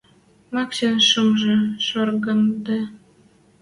Максин шӱмжӹ шорангде.